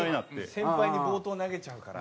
先輩に暴投投げちゃうから。